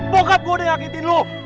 bokap gue udah ngakitin lo